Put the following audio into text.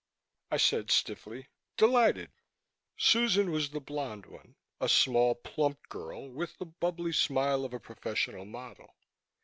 I said stiffly, "Delighted." Susan was the blonde one, a small plump girl with the bubbly smile of a professional model.